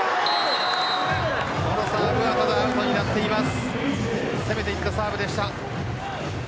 サーブはアウトになっています。